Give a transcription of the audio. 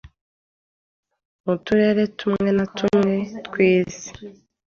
mu turere tumwe na tumwe tw’ isi